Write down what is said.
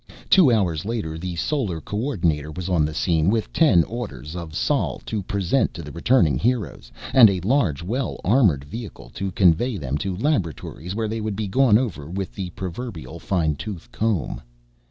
Two hours later, the Solar co ordinator was on the scene, with ten Orders of Sol to present to the returning heroes, and a large well armored vehicle to convey them to laboratories, where they would be gone over with the proverbial fine tooth comb.